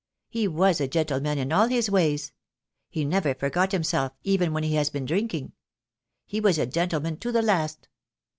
He was a gentleman in all his ways. He never forgot himself even when he had been drinking. He was a gentleman to the last.